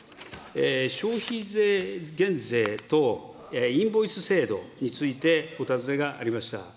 消費税減税とインボイス制度についてお尋ねがありました。